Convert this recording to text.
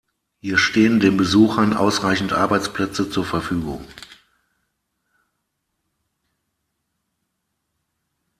Hier stehen den Besuchern ausreichend Arbeitsplätze zur Verfügung.